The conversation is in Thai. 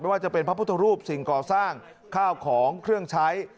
ว่าจะเป็นพระพุทธรูปสิ่งก่อสร้างข้าวของเครื่องใช้